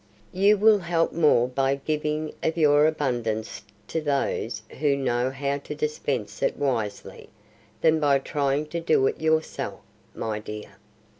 "You will help more by giving of your abundance to those who know how to dispense it wisely, than by trying to do it yourself, my dear.